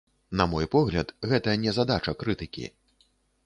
На мой погляд, гэта не задача крытыкі.